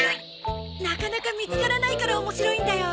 なかなか見つからないから面白いんだよ。